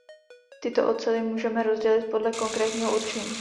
Tyto oceli můžeme rozdělit podle konkrétního určení.